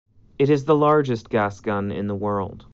It is the largest gas gun in the world.